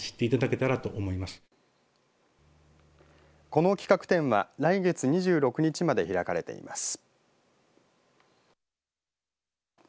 この企画展は、来月２６日まで開かれています。